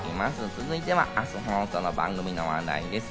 続いては明日放送の番組の話題です。